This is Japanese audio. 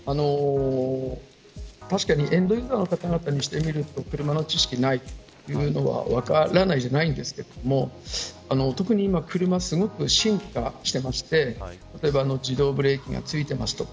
確かにエンドユーザーの方にしてみると車の知識がないというのは分からないではないんですが特に今、車はすごく進化していまして例えば自動ブレーキが付いているとか。